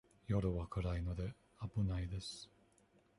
夜は暗いので、危ないです。